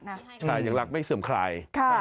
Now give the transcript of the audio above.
ใช่ใช่อย่างรักไม่เสื่อมคลาย